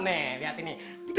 nah lihat ini